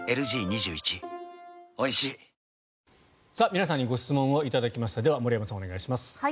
皆さんにご質問を頂きましたでは、森山さんお願いします。